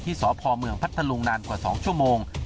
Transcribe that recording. สพเมืองพัทธลุงนานกว่า๒ชั่วโมง